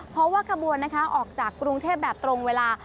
เพราะว่าขบวนนะคะออกจากกรุงเทพแบบตรงเวลา